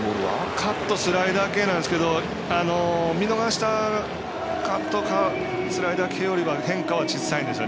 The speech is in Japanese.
カットスライダー系なんですけど見逃したカットスライダー系よりは変化が小さいです。